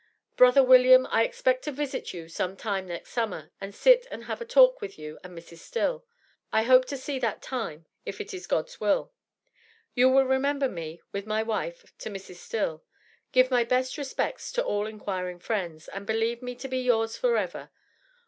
Brother William, I expect to visit you some time next summer to sit and have a talk with you and Mrs. Still. I hope to see that time, if it is God's will. You will remember me, with my wife, to Mrs. Still. Give my best respects to all inquiring friends, and believe me to be yours forever.